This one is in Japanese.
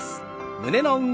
胸の運動。